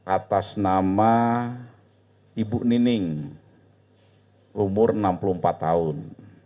atas nama ibu nining umur enam puluh empat tahun